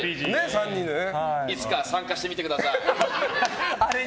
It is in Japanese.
いつか参加してみてください。